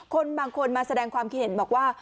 คนบางคนมาแสดงความเข็ญบอกว่า